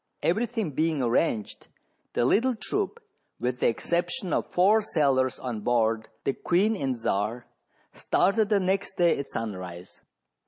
Every thing being arranged, the little troop, with the exception of four sailors on board the "Queen and Czar," started the next day at sunrise.